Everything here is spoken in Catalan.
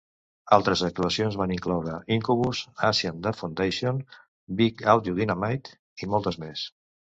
Altres actuacions van incloure: Incubus, Asian Dub Foundation, Big Audio Dynamite i moltes més.